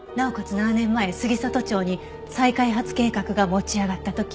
７年前杉里町に再開発計画が持ち上がった時。